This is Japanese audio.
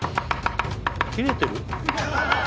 切れてる？